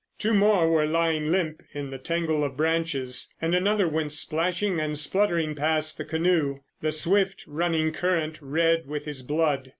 Two more were lying limp in the tangle of branches and another went splashing and spluttering past the canoe, the swift running current red with his blood.